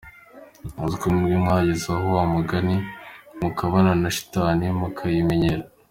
Uziko mwebwe mwageze aho wa mugani mukabana na Shitani mukayimenyera ?